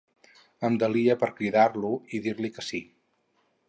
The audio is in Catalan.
Em delia per cridar-lo i dir-li que sí.